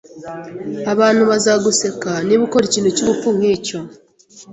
Abantu bazaguseka niba ukora ikintu cyubupfu nkicyo